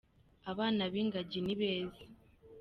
Abana b'ingagi ni beza.